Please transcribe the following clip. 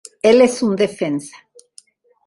Él es un defensa.